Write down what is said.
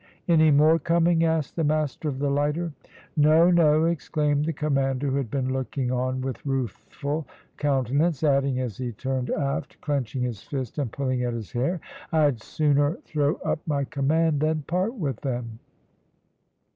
"Any more coming?" asked the master of the lighter. "No, no," exclaimed the commander, who had been looking on with ruthful countenance, adding, as he turned aft, clenching his fist, and pulling at his hair, "I'd sooner throw up my command than part with them."